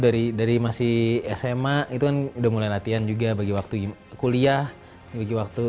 dari masih sma itu kan udah mulai latihan juga bagi waktu kuliah bagi waktu